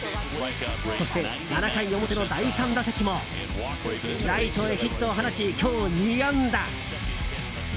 そして、７回表の第３打席もライトへヒットを放ち今日２安打。